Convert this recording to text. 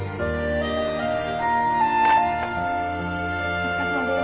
お疲れさまです。